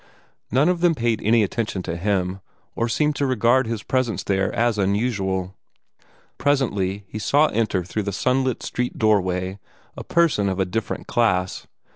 None of them paid any attention to him, or seemed to regard his presence there as unusual. Presently he saw enter through the sunlit street doorway a person of a different class.